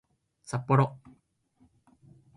さっぽろ